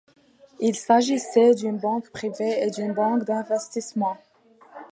Il s'agissait d'une banque privée et d'une banque d'investissement.